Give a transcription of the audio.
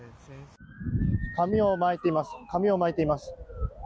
紙をまいています。